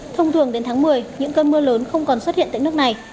thông thường đến tháng một mươi những cơn mưa lớn không còn xuất hiện tại nước này